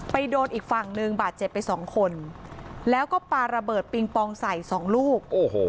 โดนอีกฝั่งหนึ่งบาดเจ็บไปสองคนแล้วก็ปาระเบิดปิงปองใส่สองลูกโอ้โห